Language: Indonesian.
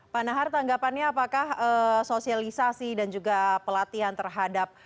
pak nahar tanggapannya apakah sosialisasi dan juga pelatihan terhadap